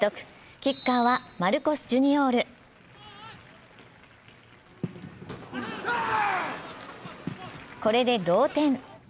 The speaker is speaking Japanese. キッカーはマルコス・ジュニオールこれで同点。